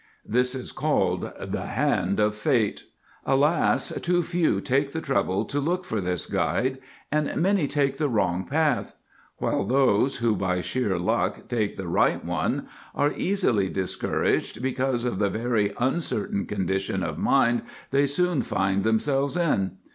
This is called the Hand of Fate. Alas, too few take the trouble to look for this guide, and many take the wrong path; while those who, by sheer luck, take the right one are easily discouraged because of the very uncertain condition of mind they soon find themselves in.